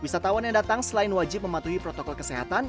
wisatawan yang datang selain wajib mematuhi protokol kesehatan